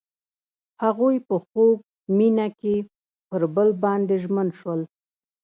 هغوی په خوږ مینه کې پر بل باندې ژمن شول.